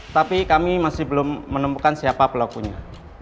tapi kami masih belum menemukan siapa pelakunya